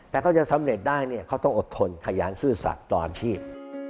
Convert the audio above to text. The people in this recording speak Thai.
แต่เขาจะสำเร็จได้เนี่ยเขาต้องอดทนขยันซื่อสัตว์ต่ออาชีพ